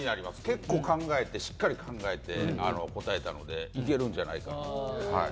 結構考えてしっかり考えて答えたのでいけるんじゃないかなと。